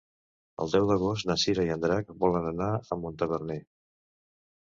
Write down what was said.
El deu d'agost na Cira i en Drac volen anar a Montaverner.